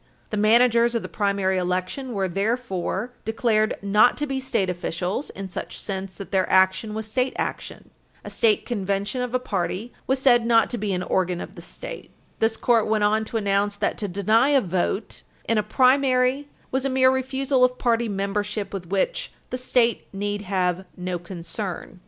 The managers of the primary election were therefore declared not to be state officials in such sense that their action was state action. A state convention of a party was said not to be an organ of the state. This Court went on to announce that to deny a vote in a primary was a mere refusal of party membership, with which "the state need have no concern," loc.